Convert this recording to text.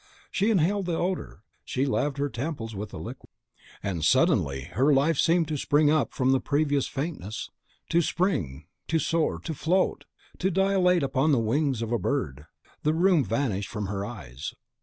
She inhaled the odour, she laved her temples with the liquid, and suddenly her life seemed to spring up from the previous faintness, to spring, to soar, to float, to dilate upon the wings of a bird. The room vanished from her eyes.